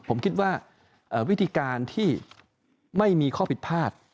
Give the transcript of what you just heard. ผมคิดว่าวิธีการที่ไม่มีข้อผิดพลาด